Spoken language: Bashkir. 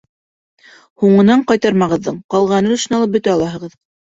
Һуңынан ҡайтармағыҙҙың ҡалған өлөшөн алып бөтә алаһығыҙ.